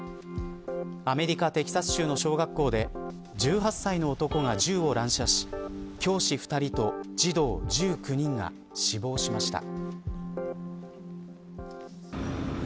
アメリカ、テキサス州の小学校で１８歳の男が銃を乱射し教師２人と児童１９人が死亡しました。